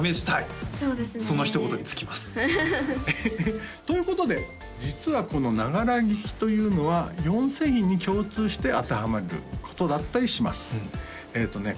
そうですねそのひと言に尽きますということで実はこのながら聴きというのは４製品に共通して当てはまることだったりしますえっとね